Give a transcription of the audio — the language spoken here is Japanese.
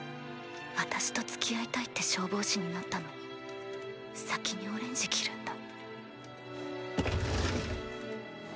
私と付き合いたいって消防士になったのに先にオレンジ着るんだ